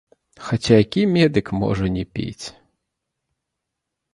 Хаця які медык можа не піць?